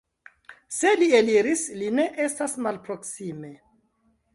Se li eliris, li ne estas malproksime.